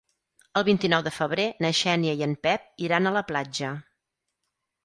El vint-i-nou de febrer na Xènia i en Pep iran a la platja.